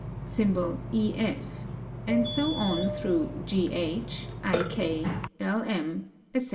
symk EF; and so on through G H, I K, L M, ete.